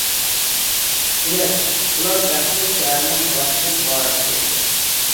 دېمەك، بۇلار بەختلىك شەھەرنىڭ بەختلىك مائارىپچىلىرى ئىكەن.